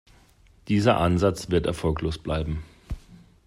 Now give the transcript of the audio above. Dieser Ansatz wird erfolglos bleiben.